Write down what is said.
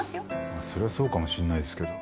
まあそれはそうかもしれないですけど。